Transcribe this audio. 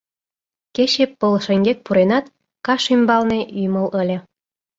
Кече пыл шеҥгек пуренат, каш ӱмбалне ӱмыл ыле.